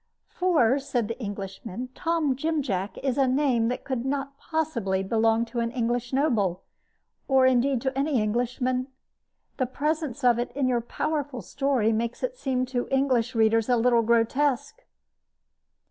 "For," said the Englishman, "Tom Jim Jack is a name that could not possibly belong to an English noble, or, indeed, to any Englishman. The presence of it in your powerful story makes it seem to English readers a little grotesque."